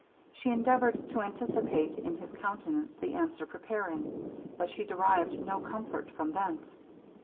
She endeavoured to anticipate in his countenance the answer preparing, but she derived no comfort from thence.